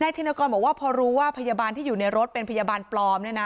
นายทีนากรบอกว่าพอรู้ว่าพยาบาลที่อยู่ในรถเป็นพยาบาลปลอมเนี่ยนะ